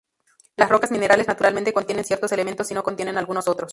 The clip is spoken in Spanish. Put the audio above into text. Las rocas minerales naturalmente contienen ciertos elementos y no contienen algunos otros.